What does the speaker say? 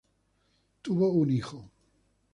Tuvo un hijo.